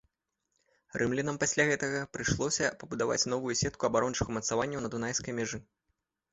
Рымлянам пасля гэтага прыйшлося пабудаваць новую сетку абарончых умацаванняў на дунайскай мяжы.